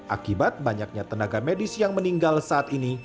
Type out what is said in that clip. akibat banyaknya tenaga medis yang meninggal saat ini